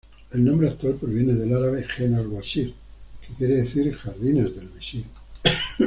El nombre actual proviene del árabe "Genna-Alwacir" que quiere decir Jardines del Visir.